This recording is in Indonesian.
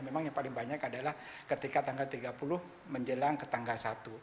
memang yang paling banyak adalah ketika tanggal tiga puluh menjelang ke tanggal satu